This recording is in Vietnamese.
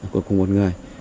của cùng một người